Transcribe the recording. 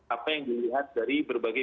apa yang dilihat dari berbagai